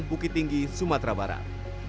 bukit tinggi sumatera barat